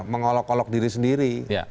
mengolok kolok diri sendiri